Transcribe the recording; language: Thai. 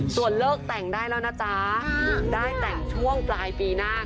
ส่วนเลิกแต่งได้แล้วนะจ๊ะได้แต่งช่วงปลายปีหน้า